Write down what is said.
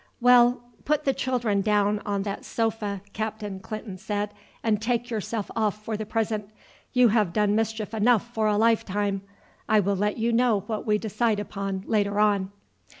"Well, put the children down on that sofa," Captain Clinton said, "and take yourself off for the present; you have done mischief enough for a lifetime. I will let you know what we decide upon later on."